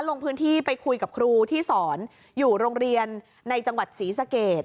ลงพื้นที่ไปคุยกับครูที่สอนอยู่โรงเรียนในจังหวัดศรีสเกต